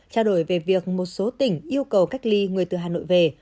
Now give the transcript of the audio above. trao đổi về việc một số tỉnh yêu cầu cách ly người từ hà nội về